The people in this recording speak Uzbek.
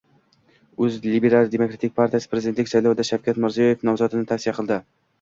O‘zLiDeP prezidentlik saylovida Shavkat Mirziyoyev nomzodini tavsiya qildi